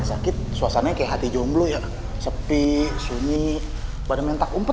aku kalau dua ribu sepuluh ph aku juga gue tanah gue